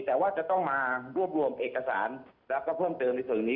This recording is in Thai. แต่ว่าจะต้องมารวบรวมเอกสารแล้วก็เพิ่มเติมในส่วนนี้